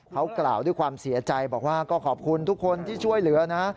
เขากล่าวด้วยความเสียใจบอกว่าก็ขอบคุณทุกคนที่ช่วยเหลือนะ